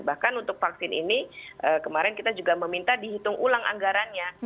bahkan untuk vaksin ini kemarin kita juga meminta dihitung ulang anggarannya